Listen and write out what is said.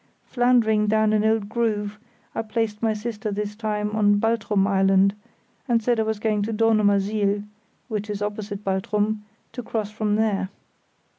Floundering down an old groove, I placed my sister this time on Baltrum Island, and said I was going to Dornumersiel (which is opposite Baltrum) to cross from there.